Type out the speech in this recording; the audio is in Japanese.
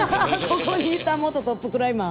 ここにいた元トップクライマー。